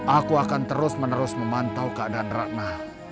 aku akan terus menerus memantau keadaan ratna